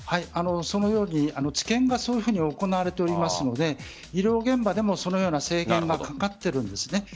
治験がそういうふうに行われていますので医療現場でもそのような制限がかかっているんです。